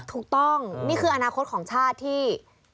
ถูกต้องนี่คืออนาคตของชาติที่